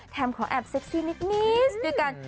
แถมขอแอบเซ็กซี่นิดด้วยกัน